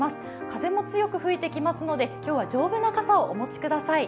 風も強く吹いてきますので、今日は丈夫な傘をお持ちください。